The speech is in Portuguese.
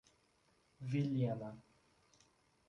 Vilhena